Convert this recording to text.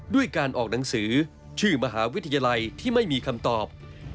ด้วยการออกหนังสือชื่อมหาวิทยาลัยที่ไม่มีคำตอบ